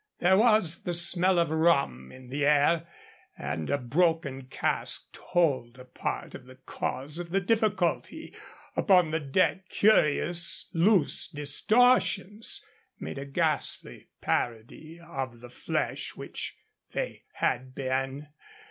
There was a smell of rum in the air, and a broken cask told a part of the cause of the difficulty. Upon the deck curious loose distortions made a ghastly parody of the flesh which they had been.